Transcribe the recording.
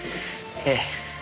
ええ。